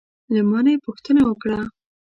له ما نه یې پوښتنه وکړه: